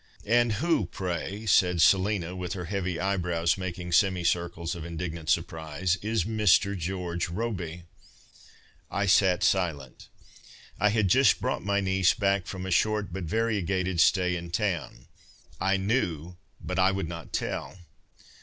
" And who, pray,"' said Selina, with her heavy eyebrows making semi circles of indignant surprise, " is Mr. George Robey ?" I sat silent. I had just brought my niece back from a short but variegated stay in town. I knew, but I would not tell.